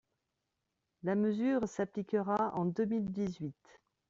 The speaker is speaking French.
La mesure s’appliquera en deux mille dix-huit